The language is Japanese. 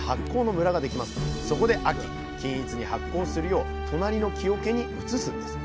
そこで秋均一に発酵するよう隣の木おけに移すんです。